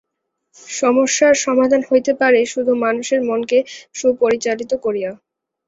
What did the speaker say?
সমস্যার সমাধান হইতে পারে শুধু মানুষের মনকে সুপরিচালিত করিয়া।